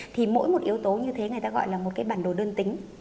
thì mỗi một yếu tố như thế người ta gọi là một cái bản đồ đơn tính